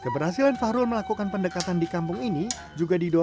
pada saat ini kemungkinan anak anaknya di sini juga lebih mudah